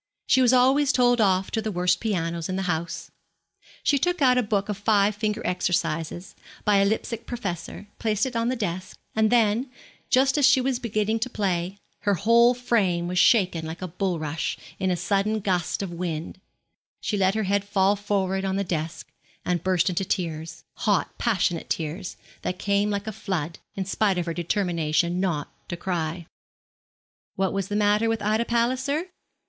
She was always told off to the worst pianos in the house. She took out a book of five finger exercises, by a Leipsic professor, placed it on the desk, and then, just as she was beginning to play, her whole frame was shaken like a bulrush in a sudden gust of wind; she let her head fall forward on the desk, and burst into tears, hot, passionate tears, that came like a flood, in spite of her determination not to cry. What was the matter with Ida Palliser?